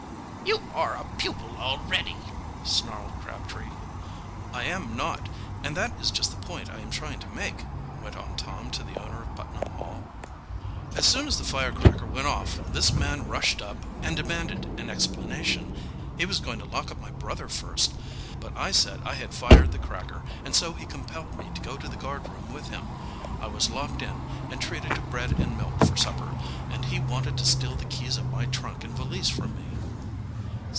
"You are a pupil already," snarled Crabtree. "I am not and that is just the point I am trying to make," went on Tom to the owner of Putnam Hall. "As soon as the firecracker went off, this man rushed up and demanded an explanation. He was going to lock up my brother first, but I said I had fired the cracker, and so he compelled me to go to the guardroom with him. I was locked in and treated to bread and milk for supper, and he wanted to steal the keys of my trunk and valise from me."